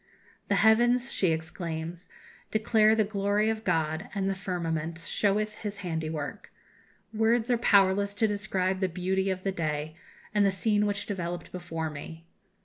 "The heavens," she exclaims, "declare the glory of God, and the firmament sheweth His handiwork. Words are powerless to describe the beauty of the day, and the scene which developed before me.